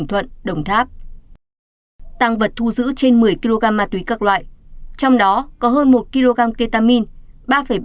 trong đó có hơn một kg ketamine